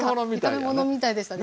炒め物みたいでしたね。